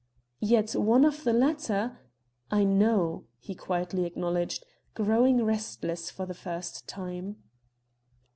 "Yet one of the latter " "I know," he quietly acknowledged, growing restless for the first time.